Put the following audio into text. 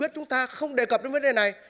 chúng ta không đề cập đến vấn đề này